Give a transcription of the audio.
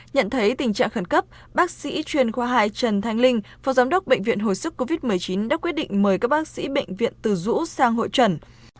nhận thấy tình trạng khẩn cấp bác sĩ chuyên khoa hai trần thanh linh phó giám đốc bệnh viện hồi sức covid một mươi chín đã quyết định mời các bác sĩ bệnh viện từ dũ sang hội trần